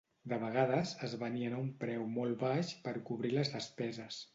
De vegades, es venien a un preu molt baix, per cobrir les despeses.